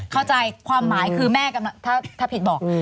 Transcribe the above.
เข้าใจความหมายคือแม่กำลังถ้าผิดบอก